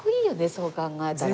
そう考えたら。